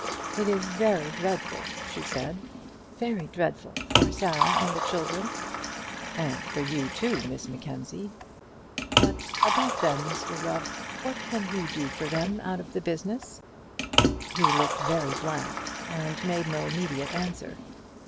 "It is very dreadful," she said; "very dreadful for Sarah and the children." "And for you too, Miss Mackenzie." "But about them, Mr Rubb. What can you do for them out of the business?" He looked very blank, and made no immediate answer.